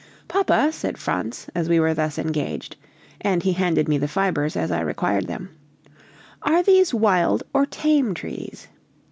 "Papa," said Franz, as we were thus engaged, and he handed me the fibers as I required them, "are these wild or tame trees?"